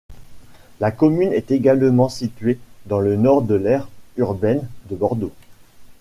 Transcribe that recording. La commune est également située dans le nord de l'aire urbaine de Bordeaux.